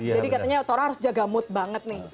jadi katanya tora harus jaga mood banget nih